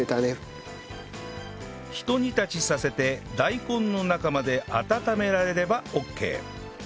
ひと煮立ちさせて大根の中まで温められればオッケー